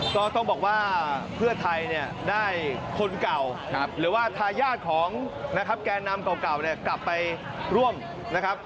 ก็ต้องบอกว่าเพื่อไทยเนี่ยได้คนเก่าหรือว่าทายาทของนะครับแก่นำเก่าเนี่ยกลับไปร่วมนะครับ